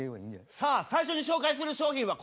さあ最初に紹介する商品はこちら。